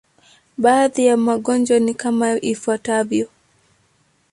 Baadhi ya magonjwa ni kama ifuatavyo.